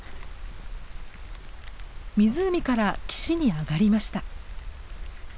湖から岸に上がりました。